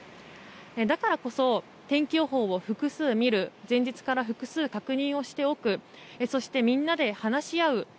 だからこそ天気予報を複数見る前日から複数確認をしておくそして、みんなで話し合う。